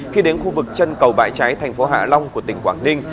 khi đến khu vực chân cầu bãi trái thành phố hạ long của tỉnh quảng ninh